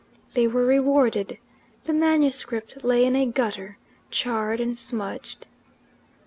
They were rewarded: the manuscript lay in a gutter, charred and smudged.